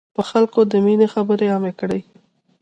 په خلکو د ميني خبري عامي کړی.